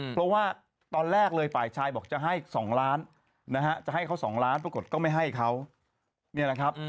เพราะว่าตอนแรกเลยฝ่ายชายบอกจะให้๒ล้านนะฮะจะให้เขา๒ล้านปรากฏก็ไม่ให้เขาเนี่ยนะครับ